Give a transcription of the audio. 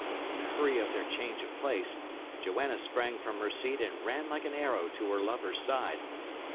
In the hurry of their change of place, Joanna sprang from her seat and ran like an arrow to her lover's side.